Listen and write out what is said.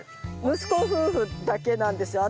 息子夫婦だけなんですよ。